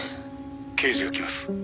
「刑事が来ます」